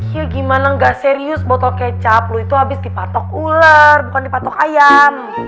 ya gimana gak serius botol kecap lu itu habis dipatok ular bukan dipatok ayam